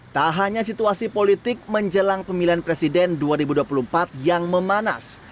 tak hanya situasi politik menjelang pemilihan presiden dua ribu dua puluh empat yang memanas